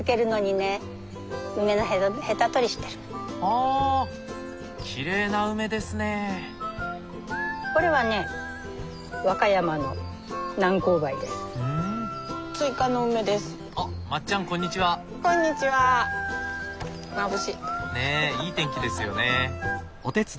ねえいい天気ですよね。